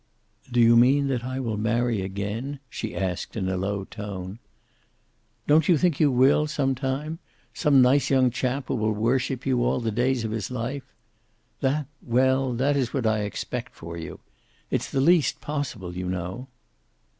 "Do you mean that I will marry again?" she asked, in a low tone. "Don't you think you will, some time? Some nice young chap who will worship you all the days of his life? That well, that is what I expect for you. It's at least possible, you know."